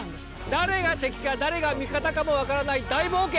誰が敵か誰が味方かも分からない大冒険